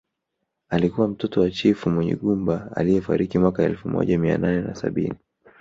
Alikuwa mtoto wa chifu Munyigumba aliyefariki mwaka elfu moja mia nane na sabini